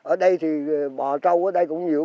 ở đây thì bò trâu ở đây cũng nhiều